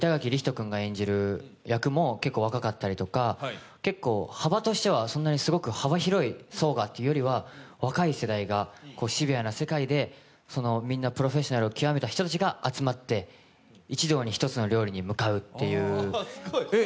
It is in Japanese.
君が演じる役も結構若かったりとか、結構幅としては幅広い層がというよりは若い世代がシビアな世界で、みんなプロフェッショナルを極めた人たちが集まって一同に１つの料理に向かうっていう。